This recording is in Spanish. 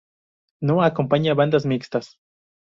No acompaña bandadas mixtas.